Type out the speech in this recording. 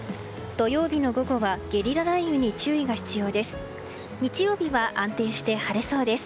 土曜日の午後はゲリラ雷雨に注意が必要です。